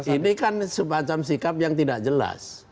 ini kan semacam sikap yang tidak jelas